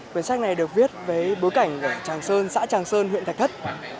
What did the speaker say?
cuốn sách này được viết với bối cảnh của tràng sơn xã tràng sơn huyện thạch thất